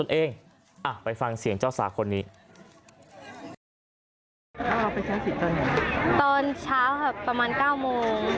เธอเผินจะอายุ